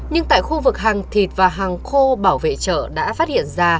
nhưng tại khu vực hàng thịt và hàng khô bảo vệ chợ đã phát hiện ra